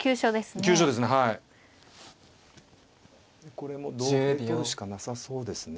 これも同歩で取るしかなさそうですね。